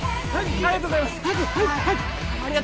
ありがとうございます。